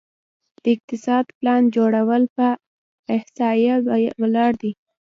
د اقتصاد پلان جوړول په احصایه ولاړ دي؟